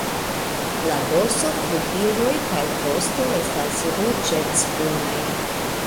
La dorso, flugiloj kaj vosto estas ruĝecbrunaj.